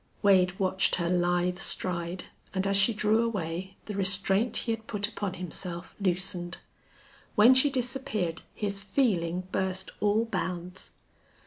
Wade watched her lithe stride, and as she drew away the restraint he had put upon himself loosened. When she disappeared his feeling burst all bounds.